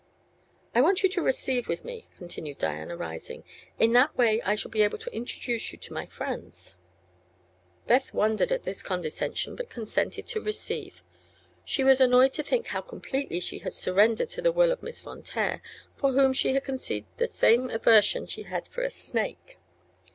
"I want you to receive with me," continued Diana, rising. "In that way I shall be able to introduce you to my friends." Beth wondered at this condescension, but consented to receive. She was annoyed to think how completely she had surrendered to the will of Miss Von Taer, for whom she had conceived the same aversion she had for a snake.